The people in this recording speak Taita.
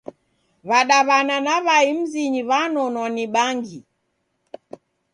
W'adaw'ana na w'ai mzinyi w'anonwa ni bangi.